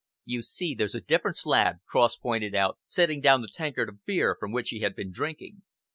"You see, there's a difference, lad," Cross pointed out, setting down the tankard of beer from which he had been drinking.